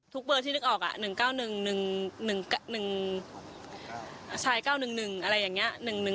เบอร์ที่นึกออก๑๙๑๑ชาย๙๑๑อะไรอย่างนี้